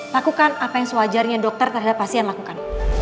lakukan apa yang sewajarnya dokter terhadap pasien lakukan